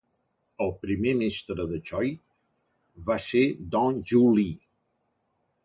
El primer mestre de Choi va ser Dong Ju Lee.